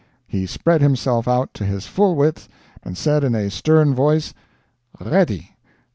He spread himself out to his full width, and said in a stern voice, "Ready!